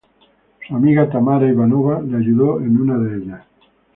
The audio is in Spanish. Su amiga Tamara Ivanova le ayudó en una de ellas.